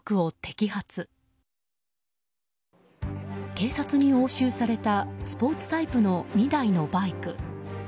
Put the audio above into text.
警察に押収されたスポーツタイプの２台のバイク。